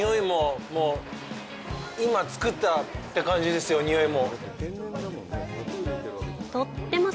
今作ったって感じですよ、匂いも。